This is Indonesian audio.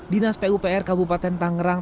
dinas pupr kabupaten tangerang